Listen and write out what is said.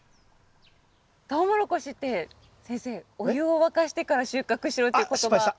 トウモロコシって先生お湯を沸かしてから収穫しろっていう言葉。